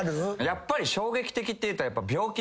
やっぱり衝撃的っていうと。